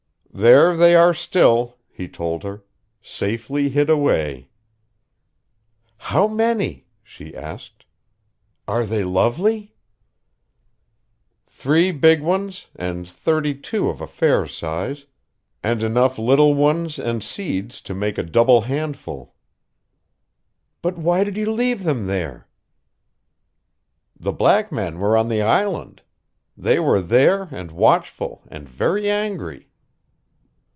"There they are still," he told her. "Safely hid away." "How many?" she asked. "Are they lovely?" "Three big ones, and thirty two of a fair size, and enough little ones and seeds to make a double handful." "But why did you leave them there?" "The black men were on the island. They were there, and watchful, and very angry."